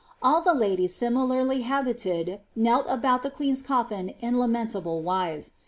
All the ladies, similarly habited, knell about the queen''B colfin in "lamentable uise."